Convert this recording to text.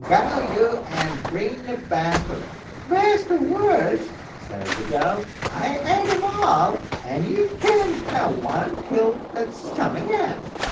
"Go you, and bring the best of 'em." "Best or worst," says the girl, "I've ate 'em all, and you can't have one till that's come again."